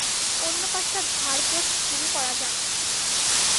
অন্যপাশটা ঝারপোছ শুরু করা যাক।